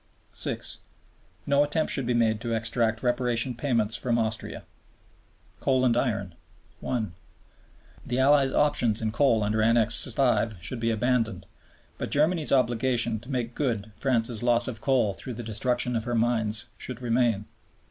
(6) No attempt should be made to extract Reparation payments from Austria. Coal and Iron. (1) The Allies' options on coal under Annex V. should be abandoned, but Germany's obligation to make good France's loss of coal through the destruction of her mines should remain.